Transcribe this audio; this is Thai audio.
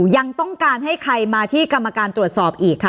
ยังต้องการให้ใครมาที่กรรมการตรวจสอบอีกค่ะ